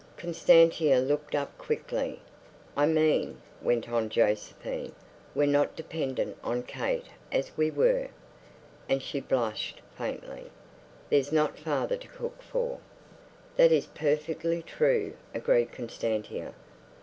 Constantia looked up quickly. "I mean," went on Josephine, "we're not dependent on Kate as we were." And she blushed faintly. "There's not father to cook for." "That is perfectly true," agreed Constantia.